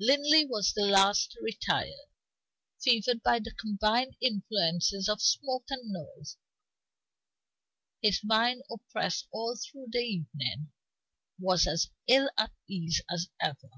Linley was the last to retire fevered by the combined influences of smoke and noise. His mind, oppressed all through the evening, was as ill at ease as ever.